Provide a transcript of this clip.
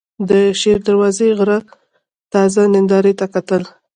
د شېر دروازې غره تازه نندارې ته کتل.